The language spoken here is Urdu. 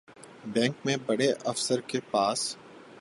بینک میں بڑے افسر کے پاس